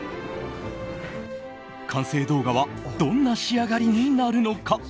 完成動画はどんな仕上がりになるのか。